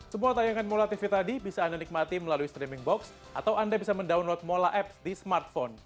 semua tayangan mola tv tadi bisa anda nikmati melalui streaming box atau anda bisa mendownload mola apps di smartphone